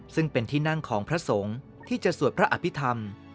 ซึ่งเป็นที่นั่งของพระสงฆ์ที่จะสวดพระอภิษฐรรม